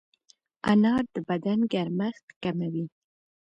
انار د بدن ګرمښت کموي.